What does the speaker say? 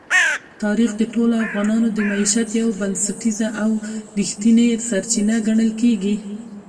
تاریخ د ټولو افغانانو د معیشت یوه بنسټیزه او رښتینې سرچینه ګڼل کېږي.